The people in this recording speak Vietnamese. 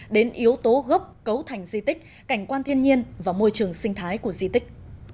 đến yếu tố gốc cấu thành di tích cảnh quan thiên nhiên và môi trường sinh thái của di tích